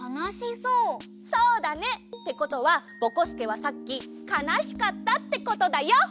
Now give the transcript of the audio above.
そうだね。ってことはぼこすけはさっきかなしかったってことだよ！